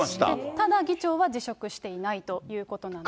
ただ議長は、辞職していないということなんです。